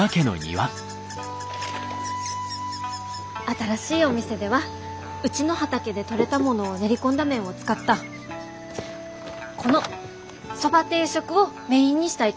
新しいお店ではうちの畑で取れたものを練り込んだ麺を使ったこのそば定食をメインにしたいと考えています。